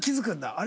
「あれ？